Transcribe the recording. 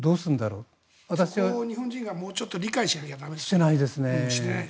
そこを日本人がもうちょっと理解しなきゃ駄目ですね。